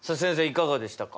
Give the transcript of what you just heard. いかがでしたか。